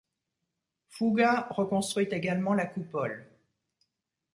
Fuga reconstruit également la coupole.